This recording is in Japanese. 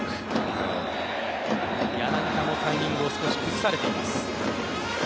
柳田も少しタイミングを少し崩されています。